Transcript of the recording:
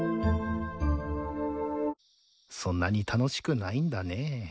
そんなに楽しくないんだねぇ。